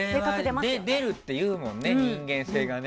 出るっていうもんね、人間性が。